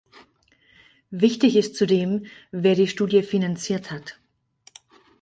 Wichtig ist zudem, wer die Studie finanziert hat.